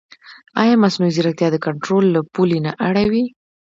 ایا مصنوعي ځیرکتیا د کنټرول له پولې نه اوړي؟